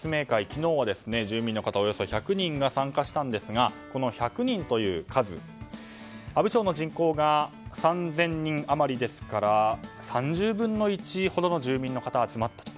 昨日は住民の方およそ１００人が参加したんですがこの１００人という数阿武町の人口が３０００人余りですから３０分の１ほどの住民の方が集まったと。